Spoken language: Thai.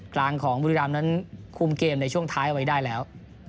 กลางของบุรีรำนั้นคุมเกมในช่วงท้ายเอาไว้ได้แล้ว